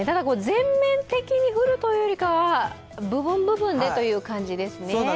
全面的に降るというよりかは部分部分でという感じですね。